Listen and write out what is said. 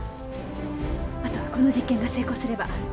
あとはこの実験が成功すれば。